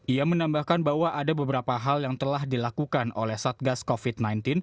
ia menambahkan bahwa ada beberapa hal yang telah dilakukan oleh satgas covid sembilan belas